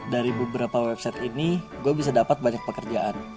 dari beberapa website ini gue bisa dapat banyak pekerjaan